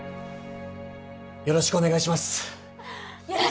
よろしくお願いします！